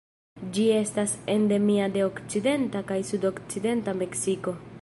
Ĝi estas endemia de okcidenta kaj sudokcidenta Meksiko.